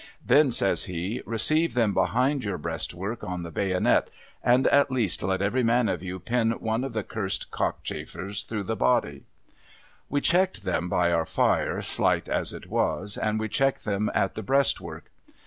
' Then,' .says he, ' receive them behind your breastwork on the bayonet, and at least let every man of you pin one of the cursed cockchafers through tlie body.' ^^'e checked them by our fire, slight as it was, and we checked them at the breastwork.